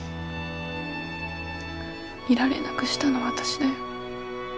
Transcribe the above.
いられなくしたの私だよ。